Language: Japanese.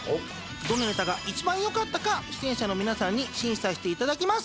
どのネタが一番良かったか出演者の皆さんに審査していただきます。